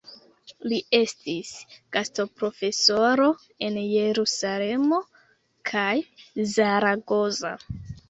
Li estis gastoprofesoro en Jerusalemo kaj Zaragoza.